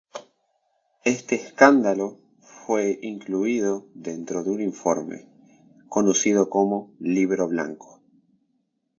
Este escándalo fue incluido dentro de un informe, conocido como "Libro Blanco".